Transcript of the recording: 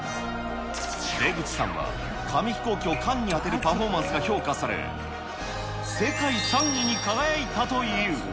出口さんは、紙飛行機を缶に当てるパフォーマンスが評価され、世界３位に輝いたという。